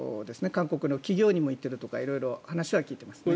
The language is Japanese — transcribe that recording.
韓国の企業にも行っているとか話は聞いていますね。